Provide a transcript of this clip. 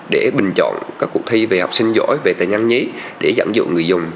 để bình chọn các cuộc thi về học sinh giỏi về tài nhanh nhí để giảm dụng người dùng